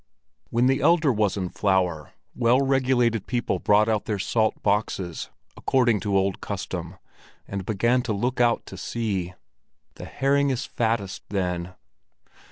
When the elder was in flower, well regulated people brought out their salt boxes, according to old custom, and began to look out to sea; the herring is fattest then.